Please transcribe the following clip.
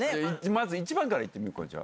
まず１番からいってみようか。